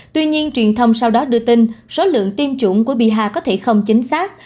tuy nhiên truyền thông sau đó đưa tin số lượng tiêm chủng của biaha có thể không chính xác